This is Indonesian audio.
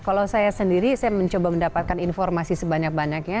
kalau saya sendiri saya mencoba mendapatkan informasi sebanyak banyaknya